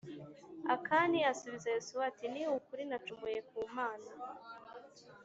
Akani asubiza Yosuwa ati Ni ukuri nacumuye ku mana